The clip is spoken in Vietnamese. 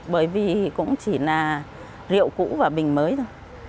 bởi vì cũng chỉ là rượu cũ và bình mới thôi